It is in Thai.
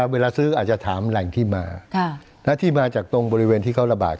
เวลาซื้ออาจจะถามแหล่งที่มาที่มาจากตรงบริเวณที่เขาระบาด